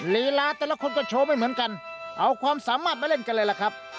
ลีลาแต่ละคนก็โชว์ไม่เหมือนกันเอาความสามารถมาเล่นกันเลยล่ะครับ